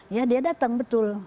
ya dia datang betul